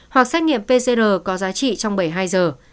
hoặc xét nghiệm pcr có giá trị trong bảy mươi hai giờ